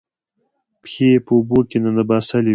پښې یې په اوبو کې ننباسلې وې